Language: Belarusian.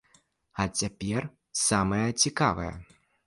А цяпер самае цікавае.